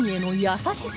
優しさ？